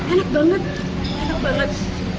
enak banget enak banget